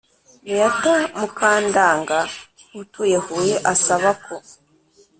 Beata Mukandanga utuye Huye asaba ko